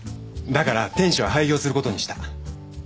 だから天使は廃業することにした。